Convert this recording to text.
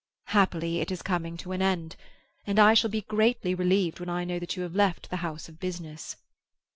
Happily it is coming to an end, and I shall be greatly relieved when I know that you have left the house of business.